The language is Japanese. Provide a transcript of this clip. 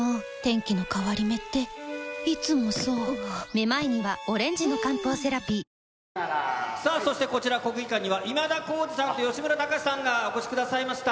めまいにはオレンジの漢方セラピーさあ、そしてこちら国技館には、今田耕司さんと吉村崇さんがお越しくださいました。